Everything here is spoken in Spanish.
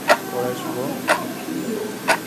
Courage Go!